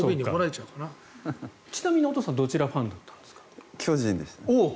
ちなみにお父さんはどちらのファンでしたか？